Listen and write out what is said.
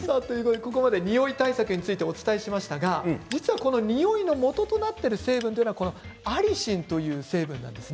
ここまで、におい対策についてお伝えしましたがこの、においのもととなっているのはアリシンという成分なんです。